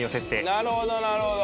なるほどなるほど！